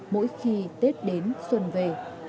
mỗi khi tết đến xuân về